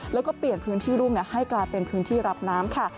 แล้วก็เปลี่ยนพื้นที่รุ่งให้กลายเป็นพื้นที่รับน้ำค่ะ